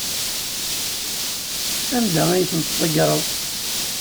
Anda ay ten-tḍeggreḍ?